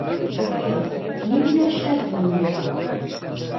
Хоҙайым, ни генә эшләрһең инде?!